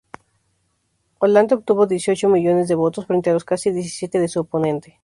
Hollande obtuvo dieciocho millones de votos frente a los casi diecisiete de su oponente.